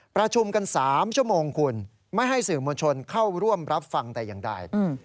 ประชุมกัน๓ชั่วโมงคุณไม่ให้สื่อมวลชนเข้าร่วมรับฟังแต่อย่างใด